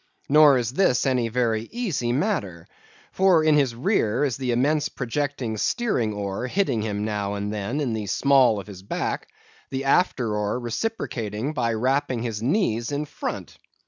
Nor is this any very easy matter; for in his rear is the immense projecting steering oar hitting him now and then in the small of his back, the after oar reciprocating by rapping his knees in front.